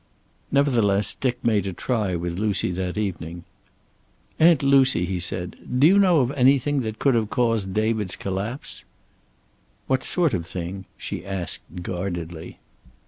Nevertheless, Dick made a try with Lucy that evening. "Aunt Lucy," he said, "do you know of anything that could have caused David's collapse?" "What sort of thing?" she asked guardedly.